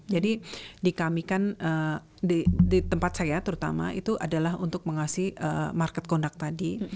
jadi di kami kan di tempat saya terutama itu adalah untuk mengasih market conduct tadi